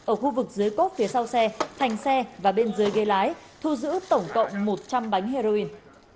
ở khu vực dưới cốp phía sau xe thành xe và bên dưới ghế lái thu giữ tổng cộng một trăm linh bánh heroin